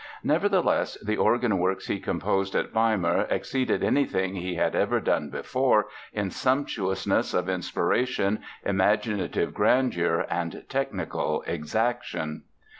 Nevertheless, the organ works he composed at Weimar exceeded anything he had ever done before in sumptuousness of inspiration, imaginative grandeur, and technical exaction.